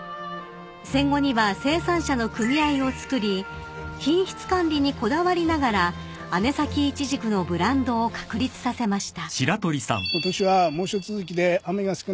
［戦後には生産者の組合をつくり品質管理にこだわりながら姉崎いちじくのブランドを確立させました］